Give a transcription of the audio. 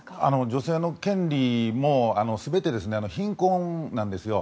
女性の権利も全て貧困なんですよ。